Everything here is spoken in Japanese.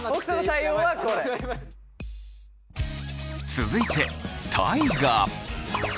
続いて大我。